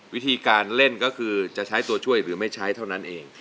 วิธีการเล่นก็คือจะใช้ตัวช่วยหรือไม่ใช้เท่านั้นเอง